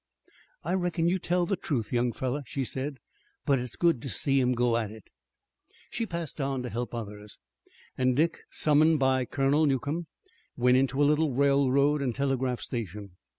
"I reckon you tell the truth, young feller," she said, "but it's good to see 'em go at it." She passed on to help others, and Dick, summoned by Colonel Newcomb, went into a little railroad and telegraph station.